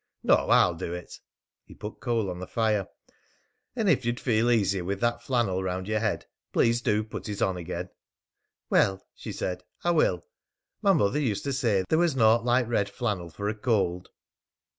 "No, I'll do it." He put coal on the fire. "And if you'd feel easier with that flannel round your head, please do put it on again." "Well," she said, "I will. My mother used to say there was naught like red flannel for a cold."